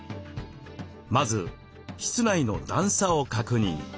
まず室内の段差を確認。